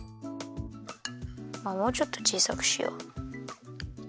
もうちょっとちいさくしよう。